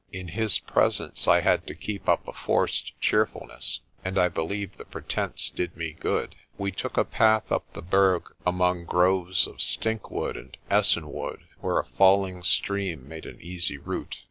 In his presence I had to keep up a forced cheerfulness, and I believe the pretence did me good. We took a path up the Berg among groves of stinkwood and essenwood, where a falling stream made an easy route.